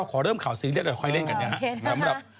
ขอเริ่มข่าวซื้อเรียกแล้วค่อยเล่นกันนะครับ